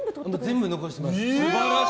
全部残してます。